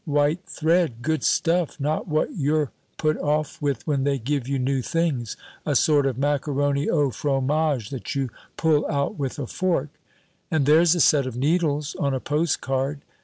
White thread, good stuff, not what you're put off with when they give you new things, a sort of macaroni au fromage that you pull out with a fork; and there's a set of needles on a post card.